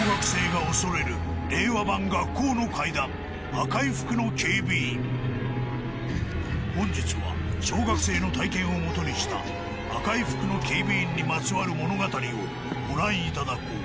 しかし本日は小学生の体験をもとにした赤い服の警備員にまつわる物語をご覧いただこう